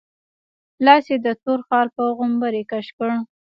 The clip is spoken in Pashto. لاس يې د تور خال په غومبري کش کړ.